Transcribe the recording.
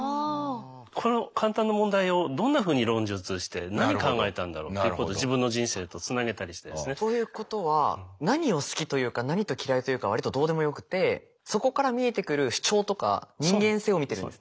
この簡単な問題をどんなふうに論述して何考えたんだろうっていうことを自分の人生とつなげたりしてですね。ということは何を好きというか何を嫌いかは割とどうでもよくてそこから見えてくる主張とか人間性を見てる。